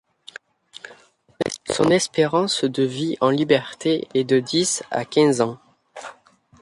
Son espérance de vie en liberté est de dix à quinze ans.